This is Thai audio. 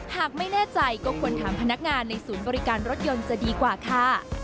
หากไม่แน่ใจก็ควรถามพนักงานในศูนย์บริการรถยนต์จะดีกว่าค่ะ